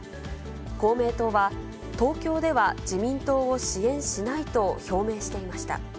公明党は、東京では自民党を支援しないと表明していました。